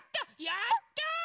やった！